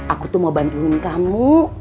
aku tuh mau bantuin kamu